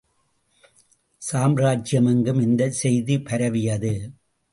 சாம்ராஜ்யமெங்கும் இந்தச் செய்தி பரவியது.